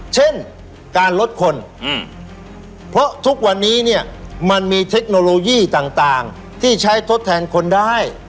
เช่นการลดคนเพราะทุกวันนี้เนี่ยมันมีเทคโนโลยีต่างที่ใช้ทดแทนคนได้